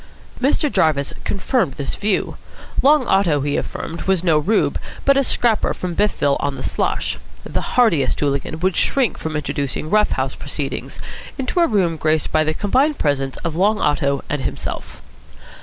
Mr. Jarvis confirmed this view. Long Otto, he affirmed, was no rube, but a scrapper from Biffville on the Slosh. The hardiest hooligan would shrink from introducing rough house proceedings into a room graced by the combined presence of Long Otto and himself.